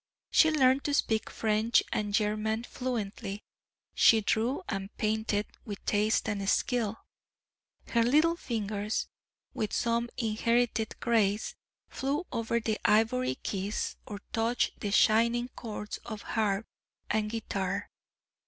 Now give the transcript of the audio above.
She learned to speak French and German fluently; she drew and painted with taste and skill; her little fingers, with some inherited grace, flew over the ivory keys, or touched the shining cords of harp and guitar.